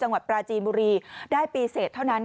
จังหวัดปราจีนบุรีได้ปีเสร็จเท่านั้น